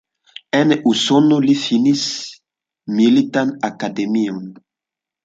En Usono li finis Militan Akademion.